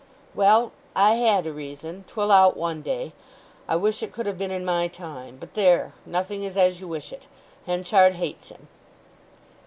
"Well, I had a reason. 'Twill out one day. I wish it could have been in my time! But there—nothing is as you wish it! Henchard hates him."